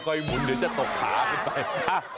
ค่อยหมุนเดี๋ยวจะตกผาไป